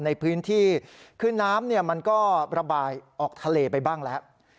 ในพื้นที่คือน้ำมันก็ระบายออกทะเลไปบ้างแล้ว